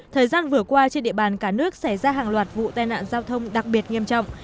thời gian vừa qua trên địa bàn cả nước xảy ra hàng loạt vụ tai nạn giao thông đặc biệt nghiêm trọng